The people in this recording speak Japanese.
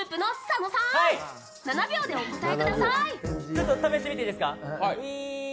ちょっと試してみていいですか？